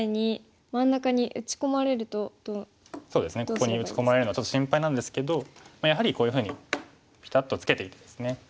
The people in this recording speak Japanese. ここに打ち込まれるのはちょっと心配なんですけどやはりこういうふうにピタッとツケていってですね。